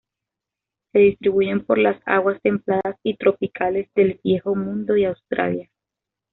Se distribuyen por las aguas templadas y tropicales del Viejo Mundo y Australia.